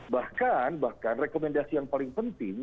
bahkan bahkan rekomendasi yang paling penting